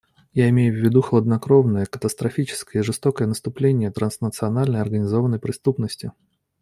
Я имею в виду хладнокровное, катастрофическое и жестокое наступление транснациональной организованной преступности.